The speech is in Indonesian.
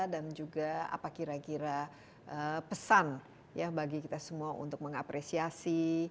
dan juga apa kira kira pesan ya bagi kita semua untuk mengapresiasi